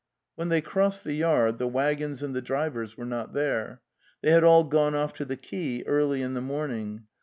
..." When they crossed the yard, the waggons and the drivers were not there. They had all gone off to the quay early in the morning.